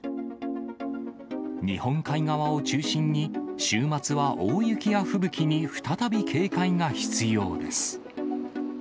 日本海側を中心に、週末は大雪や吹雪に再び警戒が必要です。